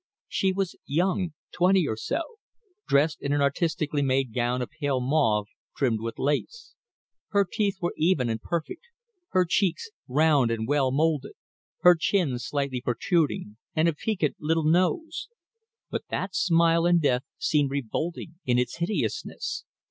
She was young, twenty or so, dressed in an artistically made gown of pale mauve, trimmed with lace. Her teeth were even and perfect; her cheeks round and well moulded; her chin slightly protruding, and a piquant little nose; but that smile in death seemed revolting in its hideousness.